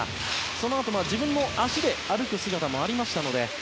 そのあと、自分の足で歩く姿もありました。